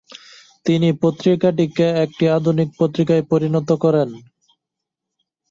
তিনি পত্রিকাটিকে একটি আধুনিক পত্রিকায় পরিণত করেন ।